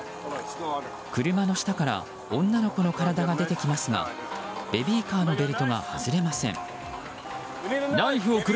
車の下から女の子の体が出てきますがベビーカーのベルトが外れません。